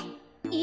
え！